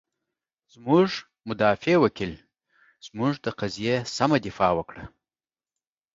زمونږ مدافع وکیل، زمونږ د قضیې سمه دفاع وکړه.